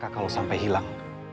kau sampai hilang